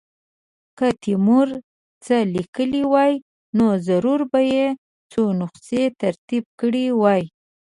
که تیمور څه لیکلي وای نو ضرور به یې څو نسخې ترتیب کړې وای.